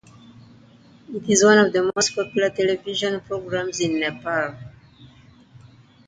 It is one of the most popular television programs in Nepal.